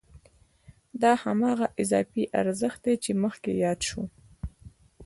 دا هماغه اضافي ارزښت دی چې مخکې یاد شو